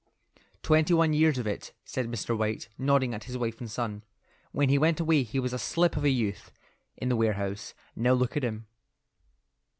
"Twenty one years of it," said Mr. White, nodding at his wife and son. "When he went away he was a slip of a youth in the warehouse. Now look at him."